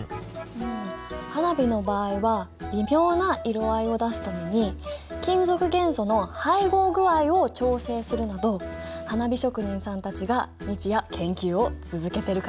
うん花火の場合は微妙な色合いを出すために金属元素の配合具合を調整するなど花火職人さんたちが日夜研究を続けてるからね。